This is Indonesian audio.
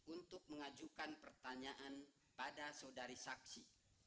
untuk mengajukan pertanyaan pada saudari saksi